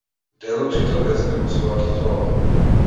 Дедо чита весник во својата соба.